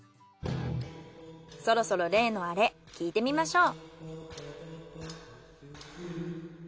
そろそろ例のアレ聞いてみましょう。